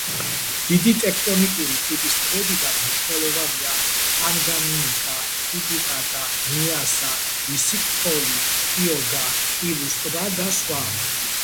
დიდი ტექტონიკური ტიპის ტბებიდან მნიშვნელოვანია ტანგანიიკა, ტიტიკაკა, ნიასა, ისიქ-ქოლი, კიოგა, კივუს ტბა და სხვა.